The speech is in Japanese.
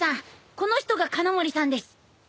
この人が鉄穴森さんです。